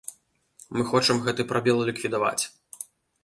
Мы хочам гэты прабел ліквідаваць.